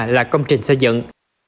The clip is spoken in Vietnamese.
là công trình xây dựng